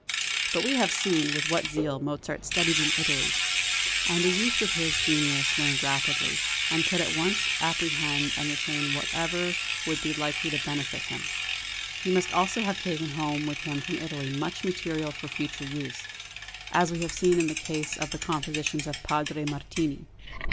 But we have seen with what zeal Mozart studied in Italy; and a youth with his genius learned rapidly, and could at once apprehend and retain whatever would be likely to benefit him. He must also have taken home with him from Italy much material for future use, as we have seen in the case of the compositions of Padre Martini.